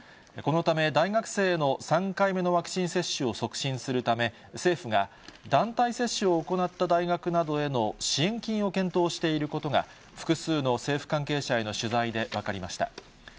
このため、大学生への３回目のワクチン接種を促進するため、政府が団体接種を行った大学などへの支援金を検討していることが、複数の政府関係者への取材で分かりました。